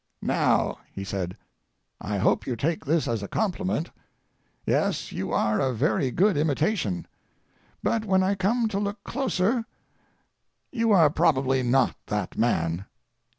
Now," he said, "I hope you take this as a compliment. Yes, you are a very good imitation; but when I come to look closer, you are probably not that man."